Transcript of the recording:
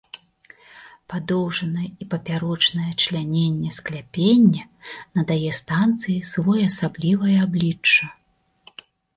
Падоўжнае і папярочнае чляненне скляпення надае станцыі своеасаблівае аблічча.